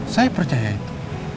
saya percaya itu